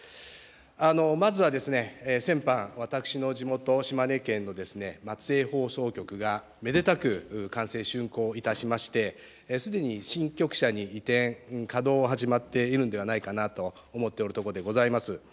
まずは先般、私の地元、島根県の松江放送局がめでたく完成、しゅんこういたしまして、すでに新局舎に移転、稼働は始まっているんではないかなと思っておるところでございます。